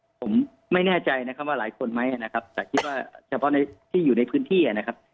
ผมไม่แน่ใจนะครับว่าหลายคนไหมนะครับแต่คิดว่าเฉพาะในที่อยู่ในพื้นที่นะครับ